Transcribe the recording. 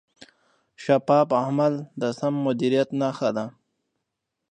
شفاف عمل د سم مدیریت نښه ده.